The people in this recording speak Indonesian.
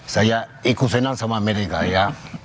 saya ikut senang sama amerika ya